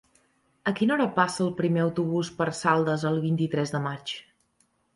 A quina hora passa el primer autobús per Saldes el vint-i-tres de maig?